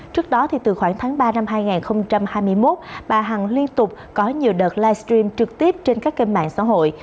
trước đó từ khoảng tháng ba năm hai nghìn hai mươi một bà hằng liên tục có nhiều đợt livestream trực tiếp trên các kênh mạng xã hội